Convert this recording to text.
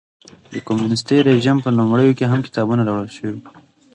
د کمونېستي رژیم په لومړیو کې هم کتابونه راوړل شول.